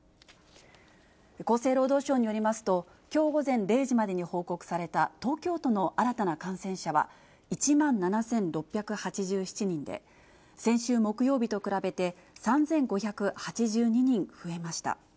厚生労働省によりますと、きょう午前０時までに報告された東京都の新たな感染者は１万７６８７人で、先週木曜日と比べて３５８２人増えました。